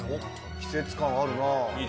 季節感あるなあ。